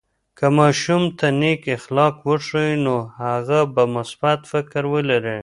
که ماشوم ته نیک اخلاق وښیو، نو هغه به مثبت فکر ولري.